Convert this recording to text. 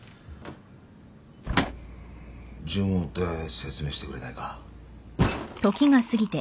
順を追って説明してくれないか。